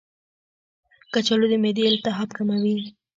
کچالو د معدې التهاب کموي.